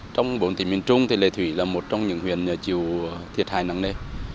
trong bộ tỉnh miền trung lệ thủy là một trong những huyện chịu thiệt hại nắng đê